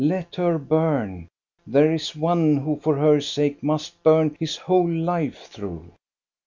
Let her bum! There is one who for her sake must burn his whole life through.